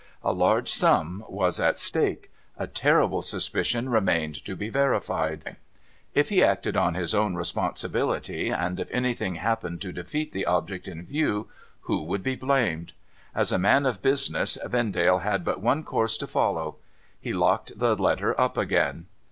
A large sum was at stake ; a terrible suspicion remained to be verified. If he acted on his own responsibility, and if anything happened to defeat the object in view, who would be blamed ? As a man of business, Vendale had but one course to follow. He locked the letter up again.